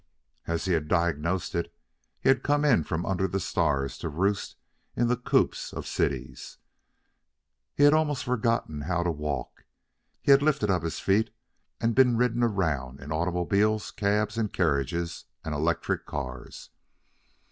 As he had diagnosed it, he had come in from under the stars to roost in the coops of cities. He had almost forgotten how to walk. He had lifted up his feet and been ridden around in automobiles, cabs and carriages, and electric cars.